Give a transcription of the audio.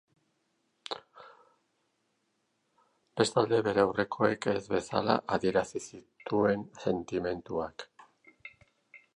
Bestalde, bere aurrekoek ez bezala adierazi zituen sentimenduak.